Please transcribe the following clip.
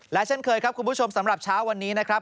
และเช่นเคยครับคุณผู้ชมสำหรับเช้าวันนี้นะครับ